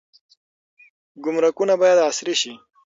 ګمرکونه باید عصري شي.